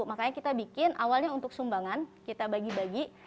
makanya kita bikin awalnya untuk sumbangan kita bagi bagi